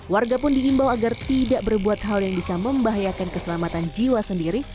warga pun diimbau agar tidak berbuat hal yang bisa membahayakan keselamatan jiwa sendiri